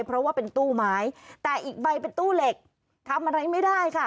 เพราะว่าเป็นตู้ไม้แต่อีกใบเป็นตู้เหล็กทำอะไรไม่ได้ค่ะ